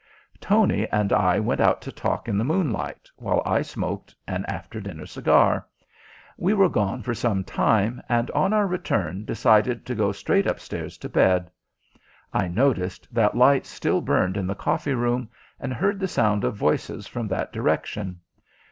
Tony and I went out to talk in the moonlight, while I smoked an after dinner cigar. We were gone for some time, and on our return decided to go straight upstairs to bed. I noticed that lights still burned in the coffee room, and heard the sound of voices from that direction.